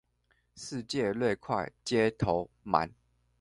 世界越快尖頭鰻